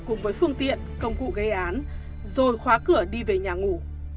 cùng với phương tiện công cụ gây án rồi khóa cửa đi về nhà ngủ